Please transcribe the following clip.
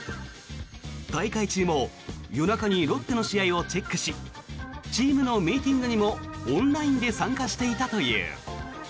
大会中も夜中にロッテの試合をチェックしチームのミーティングにもオンラインで参加していたという。